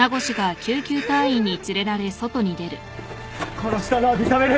殺したのは認める。